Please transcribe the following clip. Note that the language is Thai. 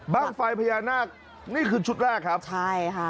ไฟพญานาคนี่คือชุดแรกครับใช่ค่ะ